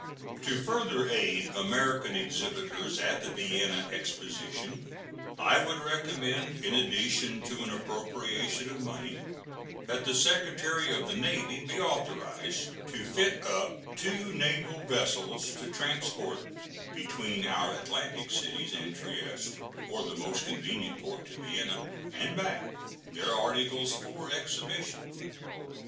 To further aid American exhibitors at the Vienna Exposition, I would recommend, in addition to an appropriation of money, that the Secretary of the Navy be authorized to fit up two naval vessels to transport between our Atlantic cities and Trieste, or the most convenient port to Vienna, and back, their articles for exhibition.